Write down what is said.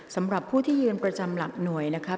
สำหรับผู้ที่ยืนประจำหลักหน่วยนะครับ